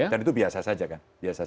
dan itu biasa saja kan